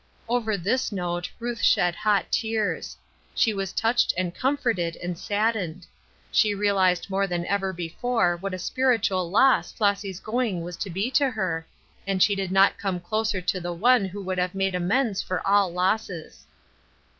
Over this note Ruth shed hot tears. She was touched and comforted and saddened ; she real ized more than ever before what a spiritual loss Flossy's going was to be to her, and she did not come closer to the One who would have made amends for all losses.